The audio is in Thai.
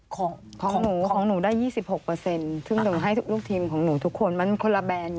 ของหนูของหนูได้๒๖ถึงให้ลูกทีมของหนูมันคนละแบรนด์